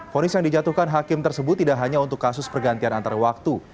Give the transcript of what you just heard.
fonis yang dijatuhkan hakim tersebut tidak hanya untuk kasus pergantian antar waktu